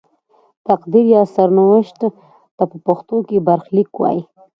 تقدیر یا سرنوشت ته په پښتو کې برخلیک وايي.